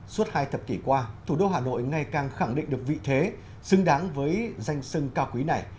suốt hai thập kỷ qua thủ đô hà nội ngày càng khẳng định được vị thế xứng đáng với danh sưng cao quý này